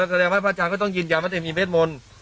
แสดงว่าพระอาจารย์ก็ต้องยืนยันว่าจะมีเม็ดมนต์